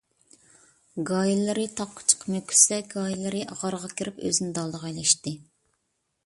گاھىلىرى تاغقا چىقىپ مۆكۈشسە، گاھىلىرى غارغا كىرىپ ئۆزىنى دالدىغا ئېلىشتى.